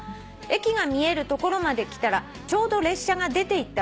「駅が見える所まで来たらちょうど列車が出ていったばかり」